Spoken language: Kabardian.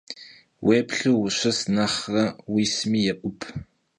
Vuêplhu vuşıs nexhre vuismi yê'ub.